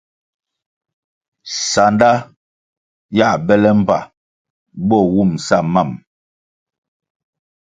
Sanda yiā bele mbpa bo wum sa mam.